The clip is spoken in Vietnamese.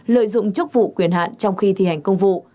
lợi dụng chức vụ quyền hạn trong khi thi hành công vụ